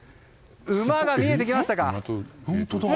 見えてきましたか。